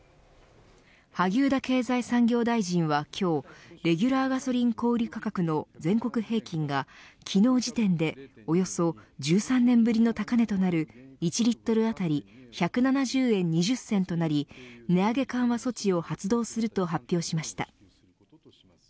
萩生田経済産業大臣は今日レギュラーガソリン小売価格の全国平均が、昨日時点でおよそ１３年ぶりの高値となる１リットル当たり１７０円２０銭となり値上げ緩和措置を発動すると発表しました。